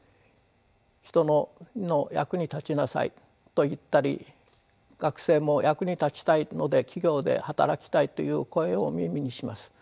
「人の役に立ちなさい」と言ったり学生も「役に立ちたいので企業で働きたい」と言う声を耳にします。